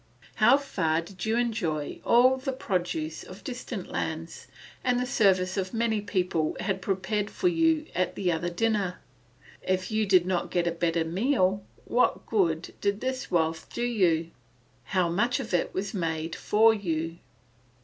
How far did you enjoy all that the produce of distant lands and the service of many people had prepared for you at the other dinner? If you did not get a better meal, what good did this wealth do you? how much of it was made for you?